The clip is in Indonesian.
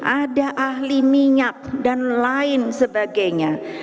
ada ahli minyak dan lain sebagainya